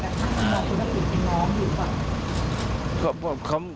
แต่มันต้องเป็นพี่น้องหรือเปล่า